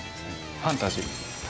ファンタジー。